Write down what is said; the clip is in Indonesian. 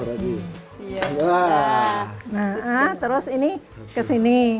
nah terus ini kesini